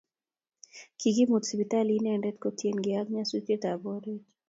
Kikimut sipitali inendet kotienge nyasutiet ab oret